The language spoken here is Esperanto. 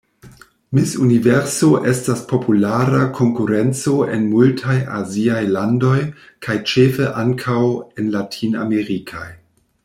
Miss Universo estas populara konkurenco en multaj aziaj landoj kaj ĉefe ankaŭ en latinamerikaj.